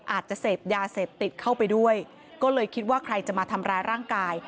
อาจจะเสพยาเสพติดเข้าไปด้วยก็เลยคิดว่าใครจะมาทำร้ายร่างกาย